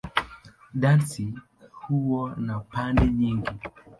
Dansi huwa na pande nyingi.